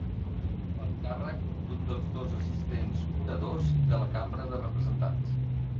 Va ocupar el càrrec d'un dels dos assistents oradors de la Cambra de Representants.